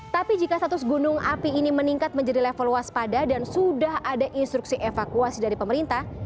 tapi jika status gunung api ini meningkat menjadi level waspada dan sudah ada instruksi evakuasi dari pemerintah